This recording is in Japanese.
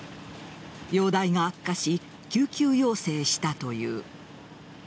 容体が悪化し救急要請したという。